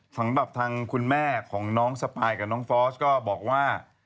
สำหรับทางคุณแม่ของน้องสปายกับน้องฟอสก็บอกว่า